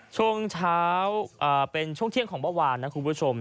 ช่วงเช้าเป็นช่วงเที่ยงของเมื่อวานนะคุณผู้ชม